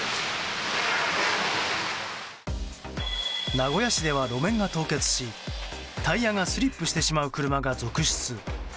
名古屋市では路面が凍結しタイヤがスリップしてしまう車が続出。